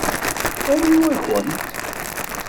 Aniwa-kent?